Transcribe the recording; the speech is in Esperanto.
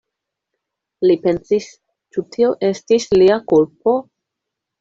Li pensis: „Ĉu tio estis lia kulpo?“